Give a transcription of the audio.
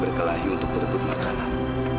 berkelahi untuk merebut makanan